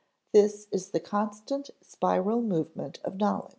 This is the constant spiral movement of knowledge.